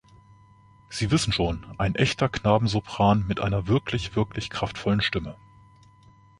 Sie wissen schon, ein echter Knabensopran mit einer wirklich, wirklich kraftvollen Stimme.